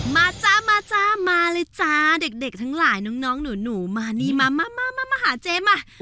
จ้ามาจ้ามาเลยจ้าเด็กทั้งหลายน้องหนูมานี่มามาหาเจ๊มา